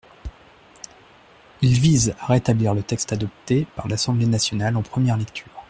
Il vise à rétablir le texte adopté par l’Assemblée nationale en première lecture.